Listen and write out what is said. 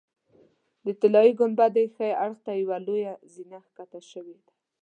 د طلایي ګنبدې ښي اړخ ته یوه لویه زینه ښکته شوې ده.